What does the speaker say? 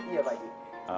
iya pak ji